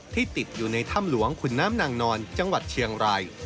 ติดอยู่ในถ้ำหลวงขุนน้ำนางนอนจังหวัดเชียงราย